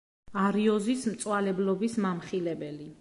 არიოზის მწვალებლობის მამხილებელი.